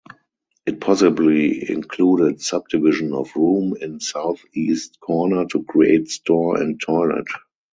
It possibly included subdivision of room in southeast corner to create store and toilet.